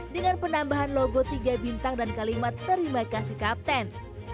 dengan penambahan logo tiga bintang dan kalimat terima kasih kapten